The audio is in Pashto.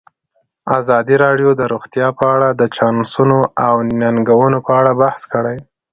ازادي راډیو د روغتیا په اړه د چانسونو او ننګونو په اړه بحث کړی.